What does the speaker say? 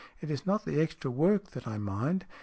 It is not the extra work that I mind.